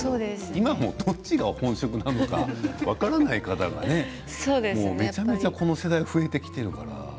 今どちらが本職か分からない方がめちゃめちゃこの世代増えてきていますね。